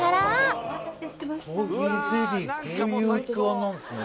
こういう器なんすね